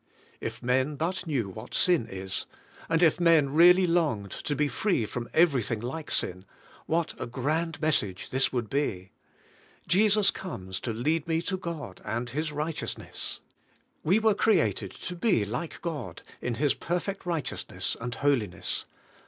If men but knew what sin is, and if men really longed to be free from everything like sin, what a grand message this would be! Jesus comes to lead me to God and His righteousness. We were created to be like God, in His perfect righteousness and holiness.